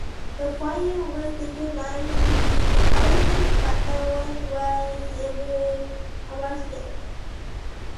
The fire was determined to be arson, but no one was ever arrested.